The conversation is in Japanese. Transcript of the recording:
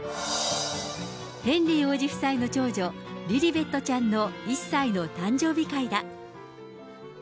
ヘンリー王子夫妻の長女、リリベットちゃんの１歳の誕生日会だ。